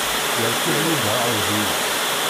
Yerkeb Yuba aɛudiw-is.